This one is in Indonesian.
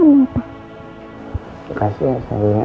terima kasih ya sayang